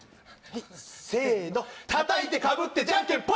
せのたたいてかぶってじゃんけんぽん！